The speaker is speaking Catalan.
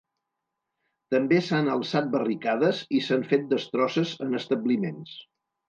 També s’han alçat barricades i s’han fet destrosses en establiments.